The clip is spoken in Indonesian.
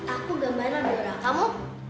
aku gambarnya orderan kamu